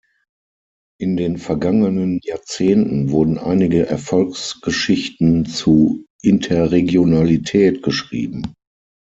In den vergangenen Jahrzehnten wurden einige Erfolgsgeschichten zu Interregionalität geschrieben.